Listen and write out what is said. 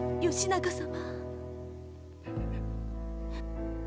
義仲様